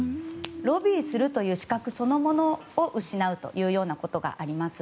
ロビーするという資格そのものを失うということがあります。